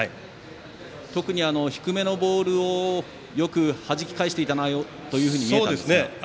特に低めのボールをよくはじき返していたなと見えたんですが。